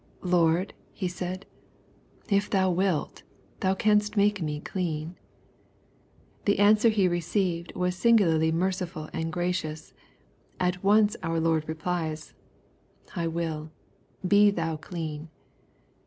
"Lord," he said,"if thou wilt, thou canst make me clean." The answer he received was singularly merciful and gra cious. At once our Lord replies^ " I will : be thou clean."